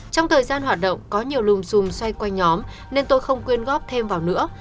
trong thời gian hoạt động có nhiều lùm xùm xoay quanh nhóm nên tôi không quyên góp thêm vào nữa